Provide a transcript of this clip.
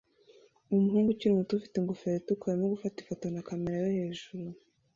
Umuhungu ukiri muto ufite ingofero itukura arimo gufata ifoto na kamera yohejuru